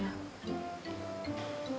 siapa tahu mereka pengen berduaan ya